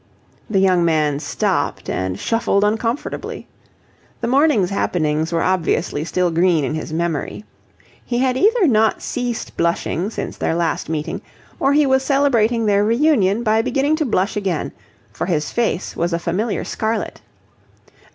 The young man stopped, and shuffled uncomfortably. The morning's happenings were obviously still green in his memory. He had either not ceased blushing since their last meeting or he was celebrating their reunion by beginning to blush again: for his face was a familiar scarlet.